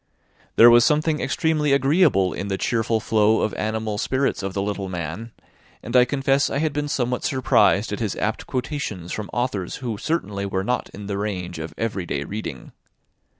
There was something extremely agreeable in the cheerful flow of animal spirits of the little man; and I confess I had been somewhat surprised at his apt quotations from authors who certainly were not in the range of every day reading.